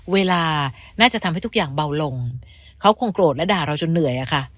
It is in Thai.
เวลาน่าจะทำให้ทุกอย่างเบาลงเขาคงโกรธและด่าเราจนเหนื่อยอะค่ะ